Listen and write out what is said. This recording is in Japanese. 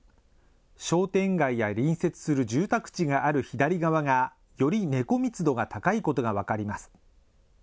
商店街や隣接する住宅地がある左側が、より猫密度が高いことが分かります。